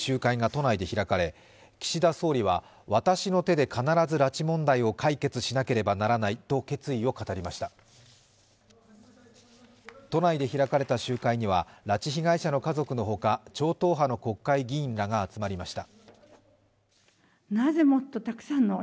都内で開かれた集会には、拉致被害者の家族のほか、超党派の国会議員らが集まりました。